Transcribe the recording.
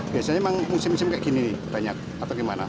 biasanya emang musim musim kayak gini banyak atau gimana